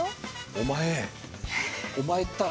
お前お前ったら。